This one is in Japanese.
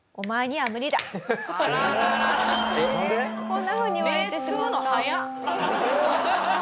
こんなふうに言われてしまった。